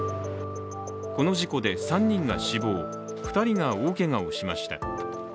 この事故で３人が死亡、２人が大けがをしました。